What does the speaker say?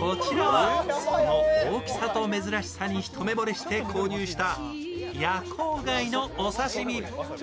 こちらは、その大きさと珍しさに一目ぼれして購入したヤコウガイのお刺身。